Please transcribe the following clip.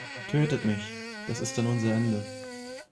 Tötet mich, das ist dann unser Ende.